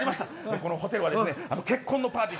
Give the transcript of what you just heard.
このホテルは結婚のパーティー